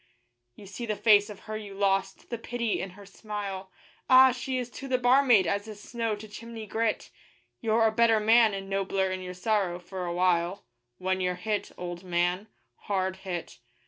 You see the face of her you lost, the pity in her smile Ah! she is to the barmaid as is snow to chimney grit; You're a better man and nobler in your sorrow, for a while, When you're hit, old man hard hit.